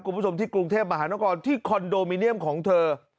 คุณผู้ชมที่กรุงเทพมหานครที่คอนโดมิเนียมของเธอ